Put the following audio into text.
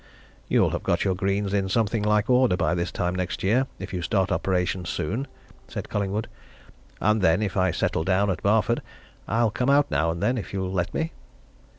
"You'll have got your greens in something like order by this time next year, if you start operations soon," said Collingwood. "And then, if I settle down at Barford, I'll come out now and then, if you'll let me."